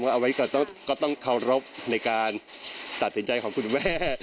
เอาไว้ก็ต้องเคารพในการตัดสินใจของคุณแม่